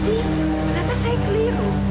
ternyata saya keliru